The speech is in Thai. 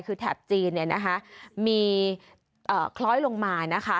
คือแถบจีนเนี่ยนะคะมีคล้อยลงมานะคะ